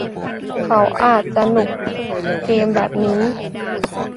เขาอาจจะหนุกเกมแบบนี้